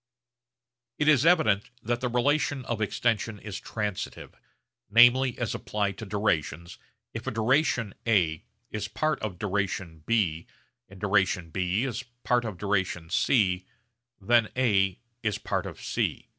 It is evident that the relation of extension is transitive; namely as applied to durations, if duration A is part of duration B, and duration B is part of duration C, then A is part of C.